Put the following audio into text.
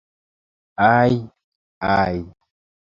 Aj, aj!